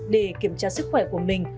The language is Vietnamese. để kiểm tra sức khỏe của mình